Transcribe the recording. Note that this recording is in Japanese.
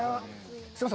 すいません。